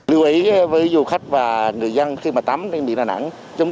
lưu ý với du khách và người dân khi mà tắm đến biển đà nẵng